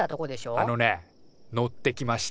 あのね乗ってきました。